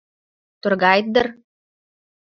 Торгает дыр?